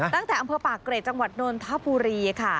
ตั้งแต่อำเภอปากเกร็ดจังหวัดนนทบุรีค่ะ